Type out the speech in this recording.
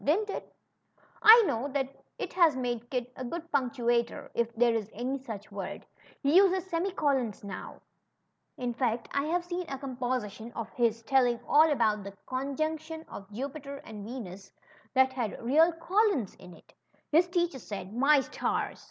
Didn't it ? I know that it has made Kit a good punctuator, if there is any such word. He uses semicolons now. In 136 THE CHILDREN'S WONDER BOOK. fact; I have seen a composition of liis telling all about the ^^Conjunction of Jupiter and Venus" that had real colons in it. His teacher said My stars